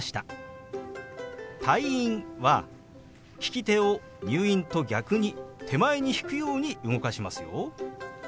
「退院」は利き手を「入院」と逆に手前に引くように動かしますよ。